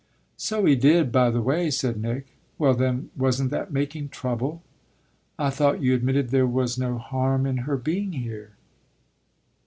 "So he did, by the way," said Nick. "Well then, wasn't that making trouble?" "I thought you admitted there was no harm in her being here."